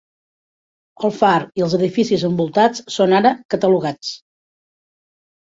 El far i els edificis envoltats són ara catalogats.